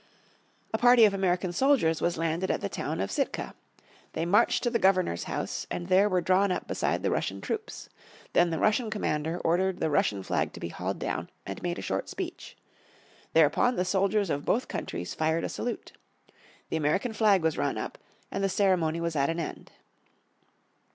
A party of American soldiers was landed at the town of Sitka. They marched to the governor's house, and there were drawn up beside the Russian troops. Then the Russian Commander ordered the Russian flag to be hauled down, and made a short speech. Thereupon the soldiers of both countries fired a salute. The American flag was run up, and the ceremony was at an end.